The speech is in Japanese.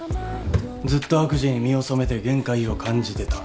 ずっと悪事に身を染めて限界を感じてた。